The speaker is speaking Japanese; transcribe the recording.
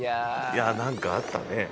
いやなんかあったね。